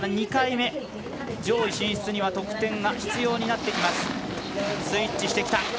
２回目、上位進出には得点が必要になってきます。